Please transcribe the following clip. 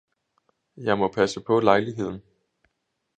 jeg må passe på lejligheden!